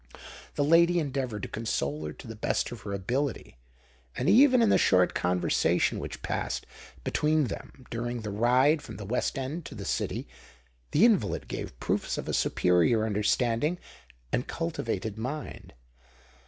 The lady endeavoured to console her to the best of her ability; and even in the short conversation which passed between them during the ride from the West End to the City, the invalid gave proofs of a superior understanding and cultivated mind.